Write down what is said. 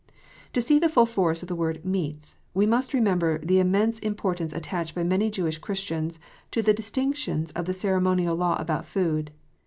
To see the full force of the word "meats," we must remember the immense importance attached by many Jewish Christians to the distinctions of the ceremonial law about food.